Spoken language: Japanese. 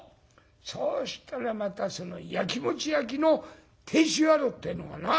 そうしたらまたそのやきもちやきの亭主野郎ってえのがな